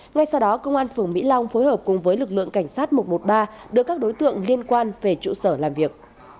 ngay sau đó công an phường mỹ long phối hợp cùng với lực lượng cảnh sát một trăm một mươi ba đưa các đối tượng liên quan về trụ sở làm việc